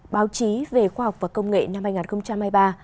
báo chí về khoa học và công nghệ năm hai nghìn hai mươi ba